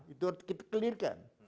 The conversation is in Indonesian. itu kita klirkan